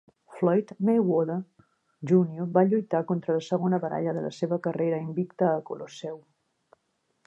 Floyd Mayweather, Junior va lluitar contra la segona baralla de la seva carrera invicte al Colosseu.